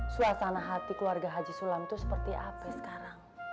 suasana hati keluarga haji sulam itu seperti apa sekarang